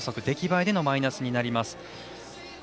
出来栄えでのマイナスになります。